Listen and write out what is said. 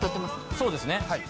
そうですね。